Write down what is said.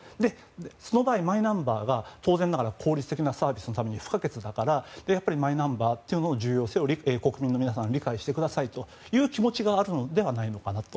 その場合、マイナンバーが当然ながら効率的なサービスのために不可欠だからやっぱりマイナンバーというのの重要性を国民の皆さん理解してくださいという気持ちがあるのではないのかなと。